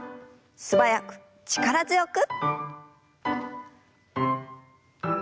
素早く力強く。